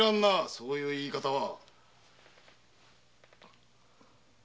そういう言い方は！